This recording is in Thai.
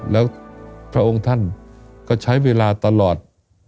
แล้วพระองค์ท่านก็ใช้เวลาตลอด